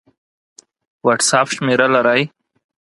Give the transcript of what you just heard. وټس اپ شمېره لرئ؟